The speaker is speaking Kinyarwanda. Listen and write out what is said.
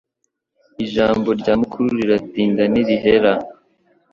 Ijambo rya mukuru riratinda ntirihera